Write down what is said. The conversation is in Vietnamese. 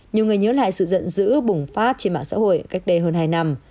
nhiều người nhớ lại sự giận dữ bùng phát trên mạng xã hội cách đây hơn hai năm